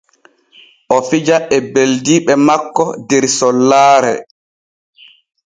O fija e ɓeldiiɓe makko der sollaare.